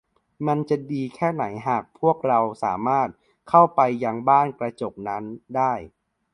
มันจะดีแค่ไหนหากพวกเราสามารถเข้าไปยังบ้านกระจก นั้นได้ !